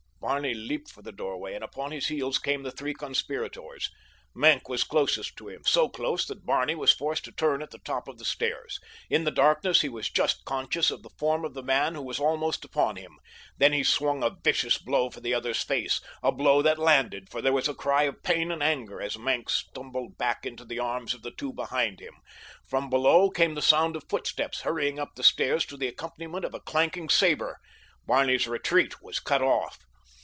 Barney leaped for the doorway, and upon his heels came the three conspirators. Maenck was closest to him—so close that Barney was forced to turn at the top of the stairs. In the darkness he was just conscious of the form of the man who was almost upon him. Then he swung a vicious blow for the other's face—a blow that landed, for there was a cry of pain and anger as Maenck stumbled back into the arms of the two behind him. From below came the sound of footsteps hurrying up the stairs to the accompaniment of a clanking saber. Barney's retreat was cut off.